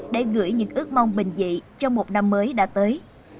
để gửi những ước mong bình dị cho một năm mới đã tới